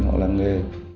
họ làm nghề